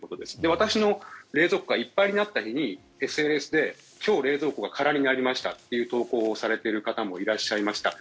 私の冷蔵庫がいっぱいになった日にＳＮＳで今日、冷蔵庫が空になりましたという投稿をされている方もいらっしゃいました。